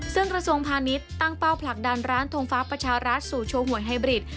ซึ่งกระทรวงพาณิชย์ตั้งเป้าผลักดันร้านทงฟ้าประชารัฐสู่โชว์หวยไฮบริด